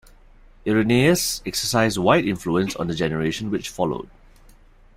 Irenaeus exercised wide influence on the generation which followed.